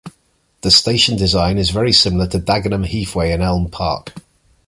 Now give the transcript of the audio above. The station design is very similar to Dagenham Heathway and Elm Park.